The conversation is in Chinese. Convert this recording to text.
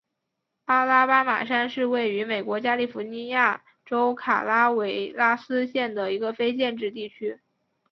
阿拉巴马山是位于美国加利福尼亚州卡拉韦拉斯县的一个非建制地区。